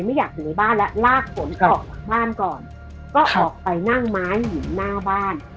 ไม่อยากอยู่ในบ้านแล้วลากฝนออกจากบ้านก่อนก็ออกไปนั่งไม้อยู่หน้าบ้าน